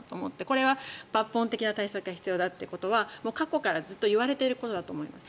これは抜本的な対策が必要だということは過去からずっと言われていることだと思います。